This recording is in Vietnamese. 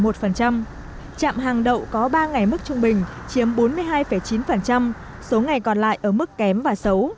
trạm hàng đậu có ba ngày mức trung bình chiếm bốn mươi hai chín số ngày còn lại ở mức kém và xấu